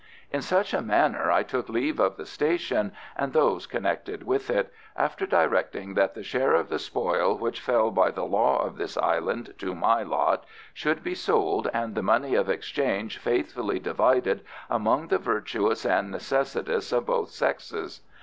In such a manner I took leave of the station and those connected with it, after directing that the share of the spoil which fell by the law of this Island to my lot should be sold and the money of exchange faithfully divided among the virtuous and necessitous of both sexes.